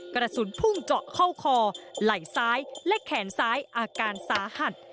กระสุนพุ่งเจาะเข้าคอไหล่ซ้ายและแขนซ้ายอาการสาหัส